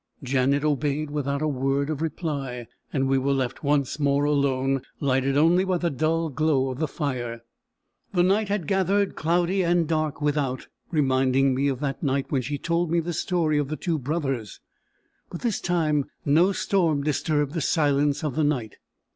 Janet obeyed without a word of reply, and we were left once more alone, lighted only by the dull glow of the fire. The night had gathered cloudy and dark without, reminding me of that night when she told me the story of the two brothers. But this time no storm disturbed the silence of the night.